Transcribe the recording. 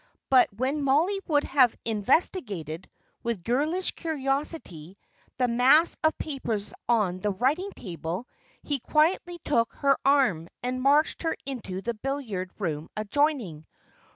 But when Mollie would have investigated, with girlish curiosity, the mass of papers on the writing table, he quietly took her arm, and marched her into the billiard room adjoining.